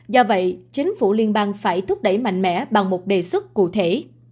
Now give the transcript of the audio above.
do vậy chính phủ liên bang phải thúc đẩy mạnh mẽ bằng một đề xuất cụ thể